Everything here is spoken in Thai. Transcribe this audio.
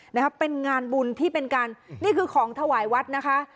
นะคะเป็นงานบุญที่เป็นการนี่คือของถวายวัดนะคะ